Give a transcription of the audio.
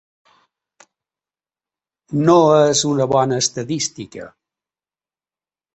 No és una bona estadística.